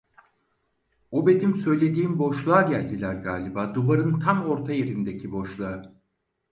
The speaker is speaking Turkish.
O benim söylediğim boşluğa geldiler galiba, duvarın tam orta yerindeki boşluğa…